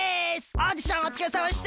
オーディションおつかれさまでした！